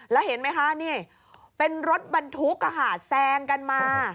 แล้วเห็นไหมคะนี่เป็นรถบรรทุกแซงกันมา